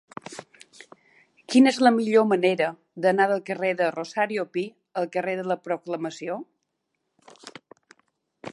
Quina és la millor manera d'anar del carrer de Rosario Pi al carrer de la Proclamació?